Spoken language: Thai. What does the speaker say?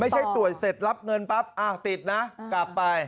ช่วยตรวจเสร็จรับเงินปั๊บอ้าวติดนะกลับไป